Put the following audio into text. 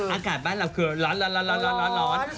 อากาศบ้านเราคือร้อนร้อนร้อนร้อน